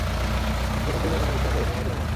ততক্ষন তুমি এখানে বিশ্রাম করো, তুমি আমাদের মেহমান।